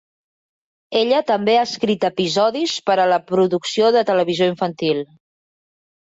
Ella també ha escrit episodis per a la producció de televisió infantil.